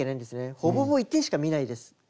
ほぼほぼ一点しか見ないです。